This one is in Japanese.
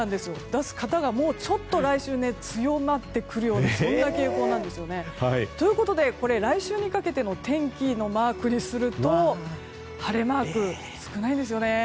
出す方が、ちょっと来週強まってくるような傾向なんですよね。ということで、来週にかけての天気をマークにすると晴れマーク、少ないですよね。